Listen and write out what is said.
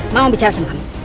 mama mau bicara sama kamu